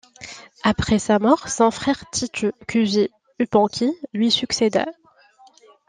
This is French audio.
Après sa mort, son frère Titu Kusi Yupanqui lui succéda.